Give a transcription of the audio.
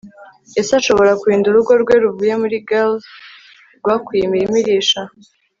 ese ashobora kurinda urugo rwe ruvuye kuri gales rwakuye imirima irisha